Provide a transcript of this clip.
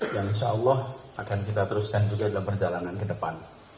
dan insyaallah akan kita teruskan juga dalam perjalanan ke depan